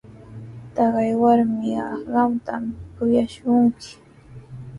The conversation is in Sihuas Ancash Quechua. Taqay warmiqa qamtami kuyashunki.